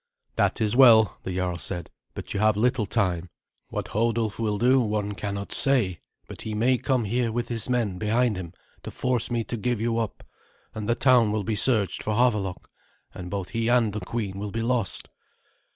"That is well," the jarl said, "but you have little time. What Hodulf will do one cannot say, but he may come here with his men behind him to force me to give you up, and the town will be searched for Havelok, and both he and the queen will be lost."